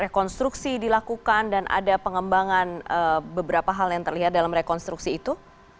rekonstruksi dilakukan dan ada pengembangan beberapa hal yang terlihat dalam rekonstruksi itu